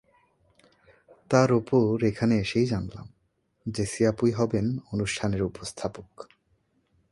তার ওপর এখানে এসেই জানলাম, জেসি আপুই হবেন অনুষ্ঠানের উপস্থাপক।